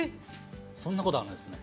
そんなことあるんですね。